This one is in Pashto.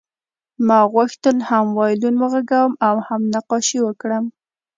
ما غوښتل هم وایلون وغږوم او هم نقاشي وکړم